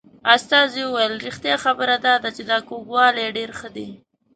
استازي وویل رښتیا خبره دا ده چې دا کوږوالی ډېر ښه دی.